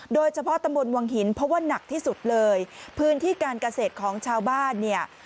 โดยเฉพาะตำบลวังหินเพราะว่าหนักที่สุดเลยพื้นที่การเกษตรของชาวบ้านเนี่ย